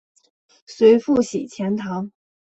随父徙钱塘。